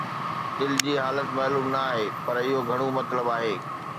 دل جي حالت معلوم نه آهي، پر اهو گهڻو مطلب آهي